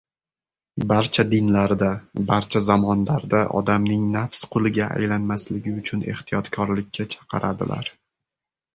Barcha dinlarda, barcha zamonlarda odamning nafs quliga aylanmasligi uchun ehtiyotkorlikka chaqiradilar.